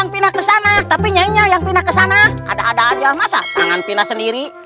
pindah ke sana tapi nyanyinya yang pindah ke sana ada ada aja masa tangan pindah sendiri